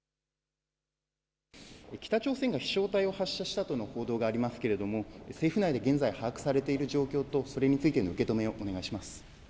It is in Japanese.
北朝鮮が飛しょう体を発射したとの報道がありますけども政府内で現在把握されている状況とそれについての受け止めをお願いします。